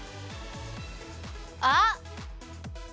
あっ！